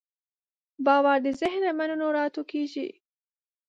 باور د ذهن له منلو راټوکېږي.